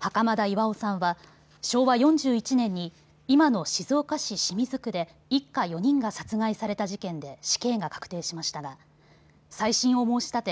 袴田巌さんは昭和４１年に今の静岡市清水区で一家４人が殺害された事件で死刑が確定しましたが再審を申し立て